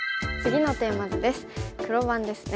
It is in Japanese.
黒番ですね。